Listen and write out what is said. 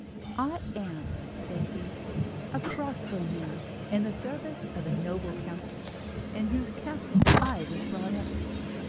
"I am," said he, "a crossbow man in the service of a noble count, in whose castle I was brought up.